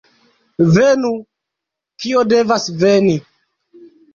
Venu, kio devas veni!